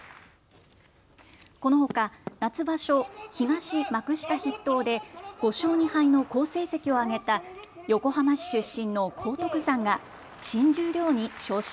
このほか夏場所東幕下筆頭で５勝２敗の好成績を挙げた横浜市出身の荒篤山が新十両に昇進。